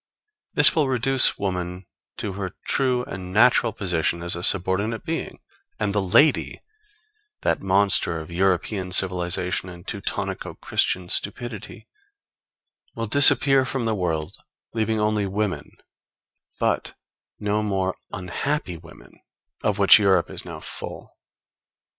This will reduce woman to her true and natural position as a subordinate being; and the lady that monster of European civilization and Teutonico Christian stupidity will disappear from the world, leaving only women, but no more unhappy women, of whom Europe is now full.